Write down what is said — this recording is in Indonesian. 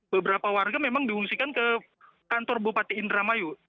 beberapa warga memang diungsikan ke kantor bupati indramayu